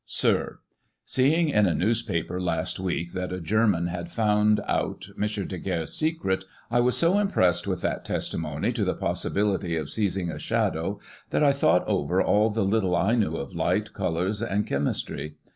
"Sir, — Seeing in a newspaper, last week, that a German had found out M. Daguerre's secret, I was so impressed with that testimony to the possibility of seizing a shadow, that I thought over all the little I knew of light, colours and chymistry.